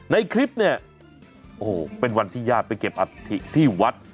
ในคลิปเนี่ยโอ้โหเป็นวันที่ญาติไปเก็บอัฐิที่วัด